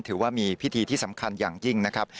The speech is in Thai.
ถือว่ามีพิธีที่สำคัญอย่างยิ่งนะครับ